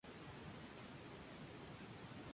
Se encuentra en selvas, sabanas y bosques costeros.